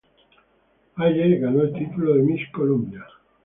Hayes ganó el título de Miss Columbia.